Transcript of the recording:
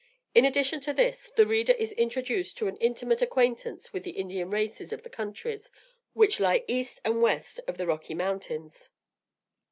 In addition to this, the reader is introduced to an intimate acquaintance with the Indian races of the countries which He east and west of the Rocky Mountains.